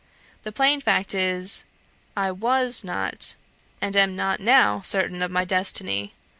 The plain fact is, I was not, I am not now, certain of my destiny.